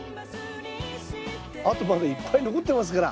あとまだいっぱい残ってますから。